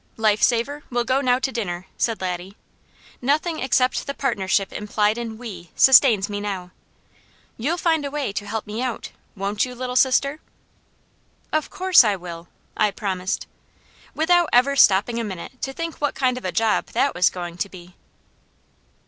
"Life saver, we'll now go to dinner," said Laddie. "Nothing except the partnership implied in 'we' sustains me now. YOU'LL FIND A WAY TO HELP ME OUT, WON'T YOU, LITTLE SISTER?" "OF COURSE I WILL!" I promised, without ever stopping a minute to think what kind of a job that was going to be.